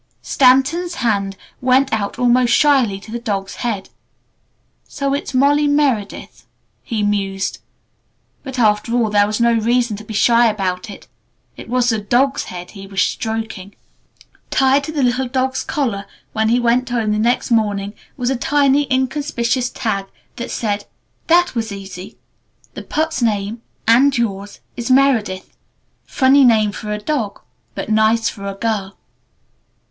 Stanton's hand went out almost shyly to the dog's head. "So it's 'Molly Meredith'," he mused. But after all there was no reason to be shy about it. It was the dog's head he was stroking. Tied to the little dog's collar when he went home the next morning was a tiny, inconspicuous tag that said "That was easy! The pup's name and yours is 'Meredith.' Funny name for a dog but nice for a girl."